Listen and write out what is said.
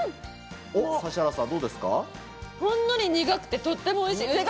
ほんのり苦くてとってもおいしい。